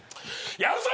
やるぞ！